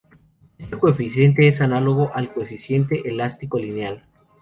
Este coeficiente es análogo al coeficiente elástico lineal.